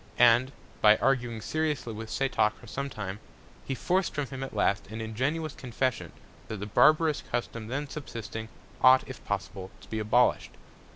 And, by arguing seriously with Setoc for some Time, he forc'd from him at last, an ingenuous Confession, that the barbarous Custom then subsisting, ought, if possible, to be abolish'd.